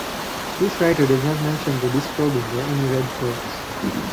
This writer does not mention the disrobing or any red clothes.